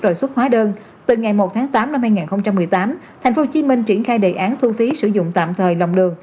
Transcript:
rồi xuất hóa đơn từ ngày một tháng tám năm hai nghìn một mươi tám tp hcm triển khai đề án thu phí sử dụng tạm thời lòng đường